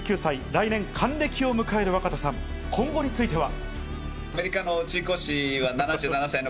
来年還暦を迎える若田さん、今後については。